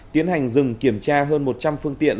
tiến hành dừng kiểm tra hơn một trăm linh phương tiện